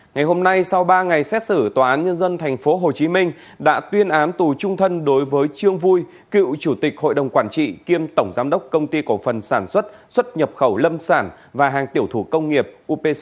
ngày hôm nay sau ba ngày xét xử tòa án nhân dân thành phố hồ chí minh đã tuyên án tù trung thân đối với trương vui cựu chủ tịch hội đồng quản trị kiêm tổng giám đốc công ty cổ phần sản xuất xuất nhập khẩu lâm sản và hàng tiểu thủ công nghiệp upc